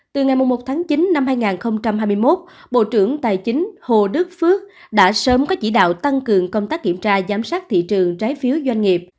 từ ngày một tháng chín năm hai nghìn hai mươi một bộ trưởng tài chính hồ đức phước đã sớm có chỉ đạo tăng cường công tác kiểm tra giám sát thị trường trái phiếu doanh nghiệp